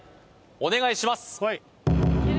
お願いします